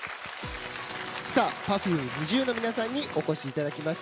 Ｐｅｒｆｕｍｅ、ＮｉｚｉＵの皆さんにお越しいただきました。